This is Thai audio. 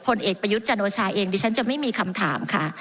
เอกประยุทธ์จันโอชาเองดิฉันจะไม่มีคำถามค่ะ